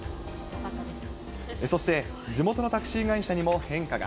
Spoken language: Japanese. そして、地元のタクシー会社にも変化が。